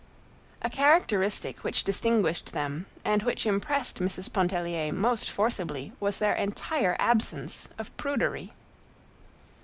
A characteristic which distinguished them and which impressed Mrs. Pontellier most forcibly was their entire absence of prudery.